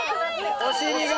お尻が。